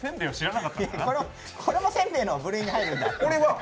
これもせんべいの部類に入るんだなって。